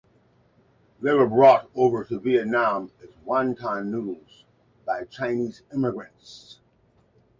They were brought over to Vietnam as wonton noodles by Chinese immigrants.